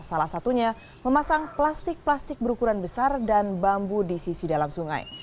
salah satunya memasang plastik plastik berukuran besar dan bambu di sisi dalam sungai